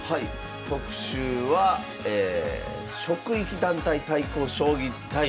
特集は職域団体対抗将棋大会。